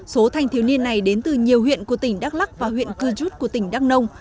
số thanh thiếu niên này đến từ nhiều huyện của tỉnh đắk lắc và huyện cư chút của tỉnh đắk nông